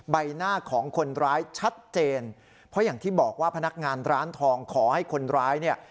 ใบหน้าของคนร้ายชัดเจนเพราะอย่างที่บอกว่าพนักงานร้านทองขอให้คนร้ายเนี่ย